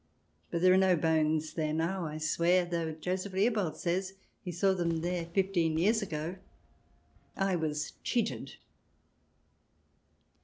But there are no bones there now, I swear, although Joseph Leopold says he saw them fifteen years ago. I was cheated.